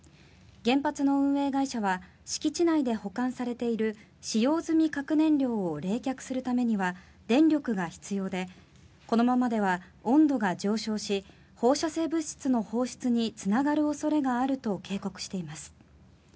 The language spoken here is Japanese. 原発の運営会社は敷地内で保管されている使用済み核燃料を冷却するためには電力が必要でこのままでは温度が上昇し放射性物質の放出につながる恐れがあると警告しています。